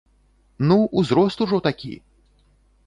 Ну, узрост ужо такі!